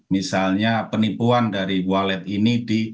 misalnya penipuan dari walet ini di